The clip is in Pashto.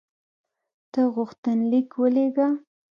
ته غوښتنلیک ولېږه.